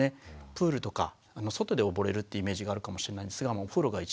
プールとか外で溺れるっていうイメージがあるかもしれないんですがお風呂が一番